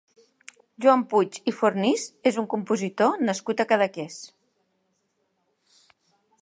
Joan Puig i Fornis és un compositor nascut a Cadaqués.